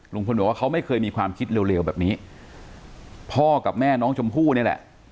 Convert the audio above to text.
ลุงพลบอกว่าเขาไม่เคยมีความคิดเร็วแบบนี้พ่อกับแม่น้องชมพู่นี่แหละ